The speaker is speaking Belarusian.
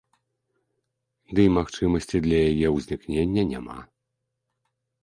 Ды і магчымасці для яе ўзнікнення няма.